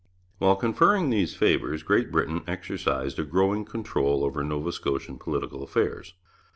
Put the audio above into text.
While conferring these favours, Great Britain exercised a growing control over Nova Scotian political affairs.